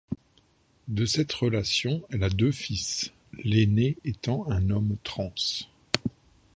De cette relation, elle a deux fils, l'aîné étant un homme trans.